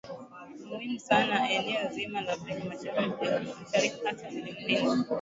muhimu sana eneo zima la afrika mashariki hata ulimwengu